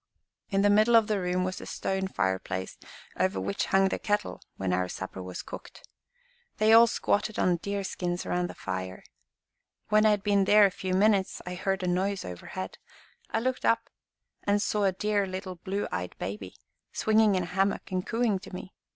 "In the middle of the room was a stone fireplace, over which hung the kettle when our supper was cooked. They all squatted on deer skins around the fire. When I had been there a few minutes, I heard a noise overhead. I looked up and saw a dear little blue eyed baby, swinging in a hammock and cooing to me.